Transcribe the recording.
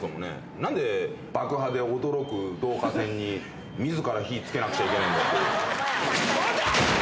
なんで、爆破で驚く導火線にみずから火つけなきゃいけないんだよ。